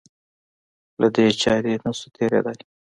له دې چارې نه شو تېرېدای.